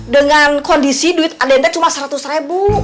dengan kondisi duit aden teh cuma seratus ribu